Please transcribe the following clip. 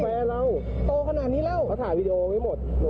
บอกว่าวิทยาลัยที่ไทยมันกำลังแรงแล้ว